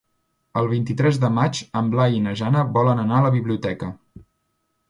El vint-i-tres de maig en Blai i na Jana volen anar a la biblioteca.